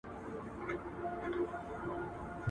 • پر کرنگ نيمه دانه هم ډېره ده.